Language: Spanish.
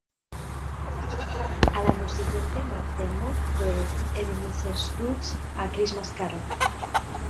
Al año siguiente, McDermott fue Ebenezer Scrooge en "A Christmas Carol".